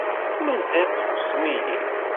Mazal txuṣṣem-iyi.